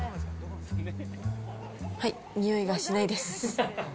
はい、においがしないです。